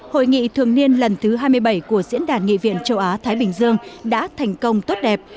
hội nghị thường niên lần thứ hai mươi bảy của diễn đàn nghị viện châu á thái bình dương đã thành công tốt đẹp